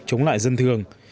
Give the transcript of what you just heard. chống lại dân thường